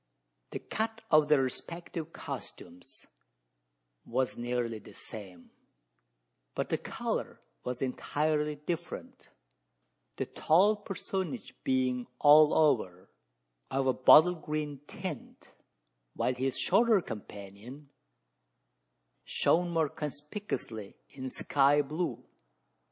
The cut of their respective costumes was nearly the same; but the colour was entirely different the tall personage being all over of a bottle green tint, while his shorter companion shone more conspicuously in sky blue.